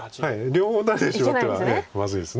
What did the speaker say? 両方打たれてしまってはまずいです。